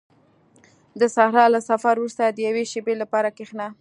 • د صحرا له سفر وروسته د یوې شېبې لپاره کښېنه.